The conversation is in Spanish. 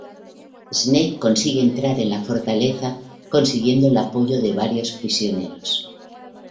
Snake consigue entrar en la fortaleza, consiguiendo el apoyo de varios prisioneros.